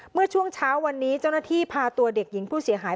เมื่อช่วงเช้าวันนี้เจ้าหน้าที่พาตัวเด็กหญิงผู้เสียหาย